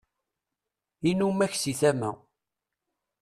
inumak si tama